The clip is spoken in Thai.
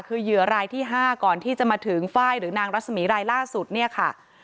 คือเหยื่อรายที่๕ก่อนที่จะมาถึงไฟล์หรือนางรัศมีรายล่าสุดเนี่ยค่ะ